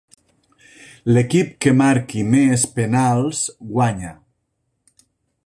L'equip que marqui més penals guanya.